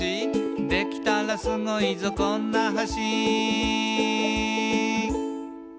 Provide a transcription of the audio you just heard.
「できたらスゴいぞこんな橋」